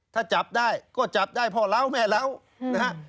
ถ้าจับได้ก็จับได้พ่อเล้าแม่เล้านะฮะ